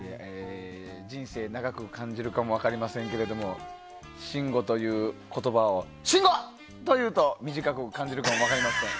人生、長く感じるかも分かりませんけれども信五という言葉を「しんご！」と言うと短く感じるかも分かりません。